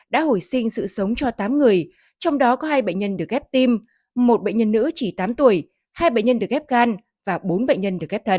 đã hồi sinh sự sống cho tám người trong đó có hai bệnh nhân được ghép tim một bệnh nhân nữ chỉ tám tuổi hai bệnh nhân được ghép gan và bốn bệnh nhân được ghép thận